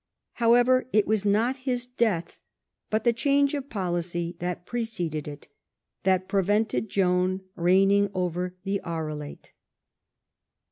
However, it was not his death but the change of policy that preceded it that pi evented Joan reigning over the Arelate.